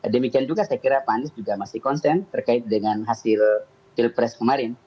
demikian juga saya kira pak anies juga masih konsen terkait dengan hasil pilpres kemarin